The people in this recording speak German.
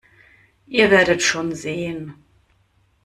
Ihr werdet schon sehen.